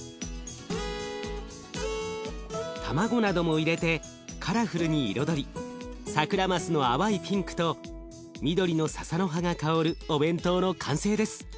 卵なども入れてカラフルに彩りサクラマスの淡いピンクと緑のささの葉が香るお弁当の完成です。